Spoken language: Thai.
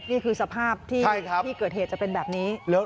นี่คือสภาพที่เกิดเหตุจะเป็นแบบนี้